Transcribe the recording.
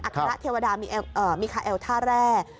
อัคระเทวดามิคาเอลท่าแรก